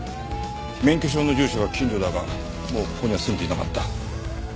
免許証の住所は近所だがもうここには住んでいなかった。